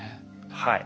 はい。